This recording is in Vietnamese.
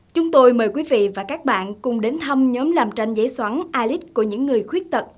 chúng tôi mời quý vị và các bạn cùng đến thăm nhóm làm tranh giấy xoắn alid của những người khuyết tật